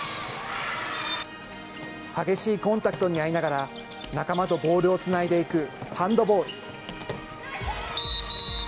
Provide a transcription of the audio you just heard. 激しいコンタクトにあいながら、仲間とボールをつないでいく、ハンドボール。